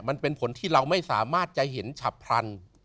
มันเป็นผลที่เราไม่สามารถจะเห็นฉับพลัน